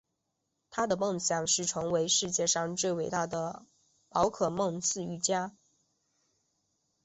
他的梦想是成为世界上最伟大的宝可梦饲育家。